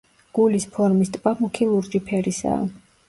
გულის ფორმის ტბა მუქი ლურჯი ფერისაა.